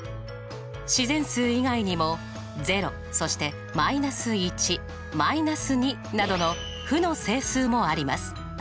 自然数以外にも０そして−１−２などの負の整数もあります。